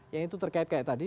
yang itu terkait kayak tadi